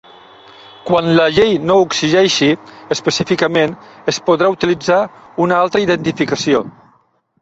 Quan la llei no ho exigeixi específicament, es podrà utilitzar una altra identificació.